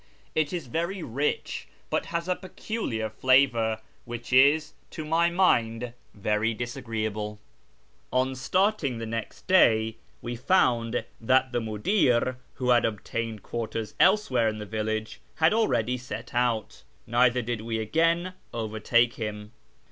It is very rich, but has a peculiar flavour, which is, to my mind, very disagreeable. On starting the next day, we found that the mudir, who had obtained quarters elsewhere in the village, had already set out ; neither did we again overtake him.